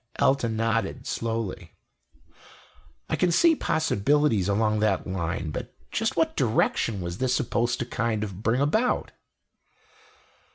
Elton nodded slowly. "I can see possibilities along that line but just what direction was this supposed to kind of bring about?"